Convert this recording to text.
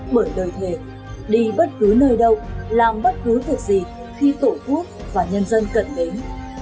bởi đời thề đi bất cứ nơi đâu làm bất cứ việc gì khi tổ quốc và nhân dân cần đến